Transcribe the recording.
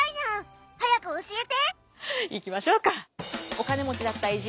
お金持ちだった偉人